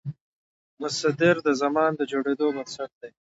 مصدر د زمان د جوړېدو بنسټ دئ.